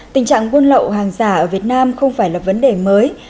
tình trạng buôn lậu hàng giả ở việt nam không phải là vấn đề mới